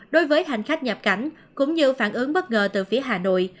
đối với hành khách nhập cảnh cũng như phản ứng bất ngờ từ phía hà nội